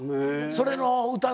それの歌の。